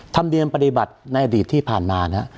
ธรรมดินปฏิบัติในอดีตที่ผ่านมา